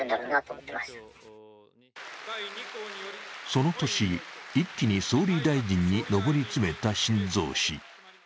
その年、一気に総理大臣に上り詰めた晋三氏。